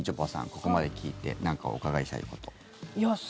ここまで聞いて何かお伺いしたいこと。